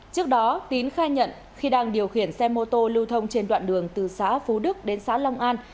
trước đó tín khai nhận khi đang điều khiển xe mô tô lưu thông trên đoạn đường từ xã phú đức đến xã long an